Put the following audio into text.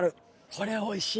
これおいしい。